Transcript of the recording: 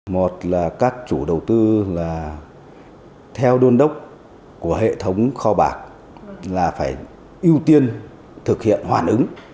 một là các chủ đầu tư là theo đôn đốc của hệ thống kho bạc là phải ưu tiên thực hiện hoàn ứng